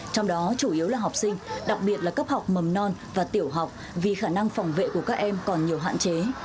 trong đó chủ yếu là học sinh đặc biệt là cấp học mầm non và tiểu học vì khả năng phòng vệ của các em còn nhiều hạn chế